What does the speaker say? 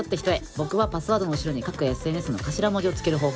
僕はパスワードの後ろに各ＳＮＳの頭文字をつける方法を使っています。